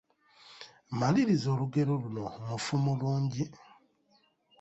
Maliriza olugero luno, Mufu mulungi …